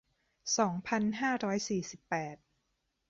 สองพันห้าร้อยสี่สิบแปด